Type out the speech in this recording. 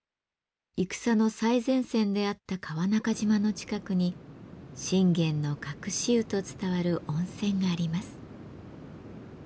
戦の最前線であった川中島の近くに信玄の隠し湯と伝わる温泉があります。